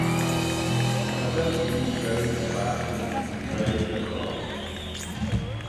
Cha vel Jee croie dy chlashtyn, ny croie dy choyrt.